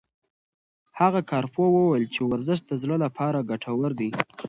هغه کارپوه وویل چې ورزش د زړه لپاره ګټور دی.